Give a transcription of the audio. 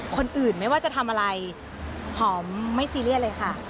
คนอื่นไม่ว่าจะทำอะไรหอมไม่ซีเรียสเลยค่ะ